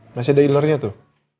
masih ada ilernya tuh